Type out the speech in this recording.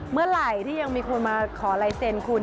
เมื่อไหร่ที่ยังมีคนมาขอลายเซ็นคุณ